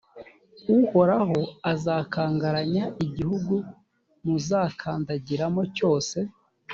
uhoraho azakangaranya igihugu muzakandagiramo cyose,